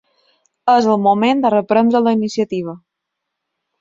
És el moment de reprendre la iniciativa.